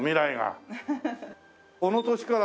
この年から？